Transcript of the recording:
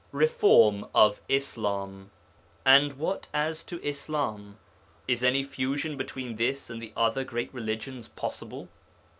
REFORM OF ISLAM And what as to Islam? Is any fusion between this and the other great religions possible?